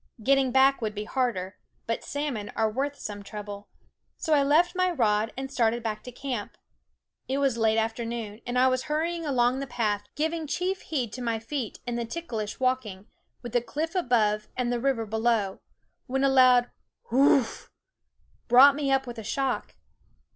Getting back would be harder; but salmon are worth some trouble ; so I left my rod and started back to camp. It was late afternoon, and I was hurrying along the path, THE WOODS 9 giving chief heed to my feet in the ticklish walking, with the cliff above and the river below, when a loud Hoowuff '! brought me up with a shock.